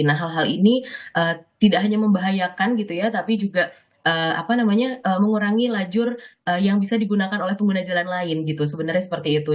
nah hal hal ini tidak hanya membahayakan gitu ya tapi juga mengurangi lajur yang bisa digunakan oleh pengguna jalan lain gitu sebenarnya seperti itu